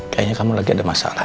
kayaknya kamu lagi ada masalah